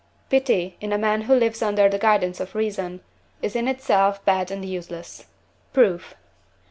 Pity, in a man who lives under the guidance of reason, is in itself bad and useless. Proof.